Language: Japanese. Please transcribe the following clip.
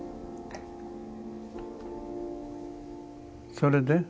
それで？